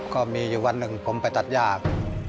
ก็มีอยู่วันหนึ่งผมไปตัดยาก